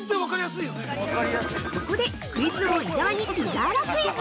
◆ここでクイズ王・伊沢にピザーラクイズ。